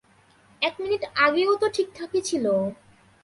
এক মিনিট আগেও তো ঠিকঠাকই ছিল।